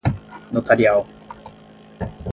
notarial